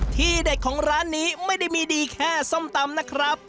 ที่เด็ดของร้านนี้ไม่ได้มีดีแค่ส้มตำนะครับ